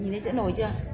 nhìn thấy chữ nổi chưa